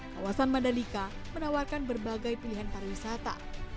kawasan madalika menawarkan berbagai pilihan para wisata